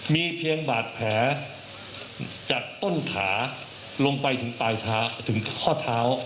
มีเพียงบาดแผลจากต้นขาลงไปถึงปลายเท้าถึงข้อเท้า